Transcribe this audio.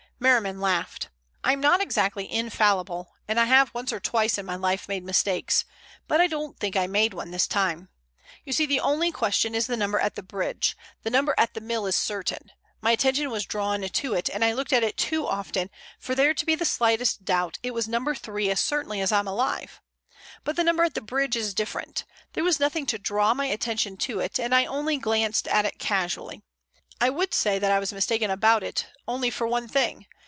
Merriman laughed. "I'm not exactly infallible, and I have, once or twice in my life, made mistakes. But I don't think I made one this time. You see, the only question is the number at the bridge. The number at the mill is certain. My attention was drawn to it, and I looked at it too often for there to be the slightest doubt. It was No. 3 as certainly as I'm alive. But the number at the bridge is different. There was nothing to draw my attention to it, and I only glanced at it casually. I would say that I was mistaken about it only for one thing.